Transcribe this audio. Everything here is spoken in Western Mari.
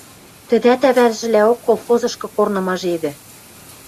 Тӹдӓт ӓвӓжӹлӓок колхозышкы корным ажедӹ...